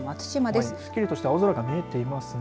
すっきりとした青空が見えていますね。